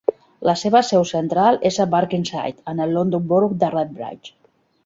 La seva seu central és a Barkingside en el London Borough de Redbridge.